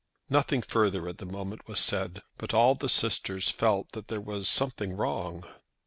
Nothing further at the moment was said, but all the sisters felt that there was something wrong.